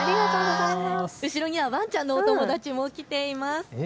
後ろにはワンちゃんのお友達も来ています。